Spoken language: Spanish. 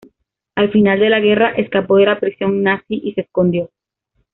Al final de la guerra, escapó de la prisión nazi y se escondió.